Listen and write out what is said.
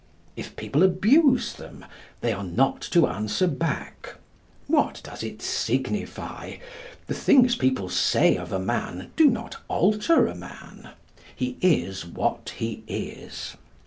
If people abuse them, they are not to answer back. What does it signify? The things people say of a man do not alter a man. He is what he is.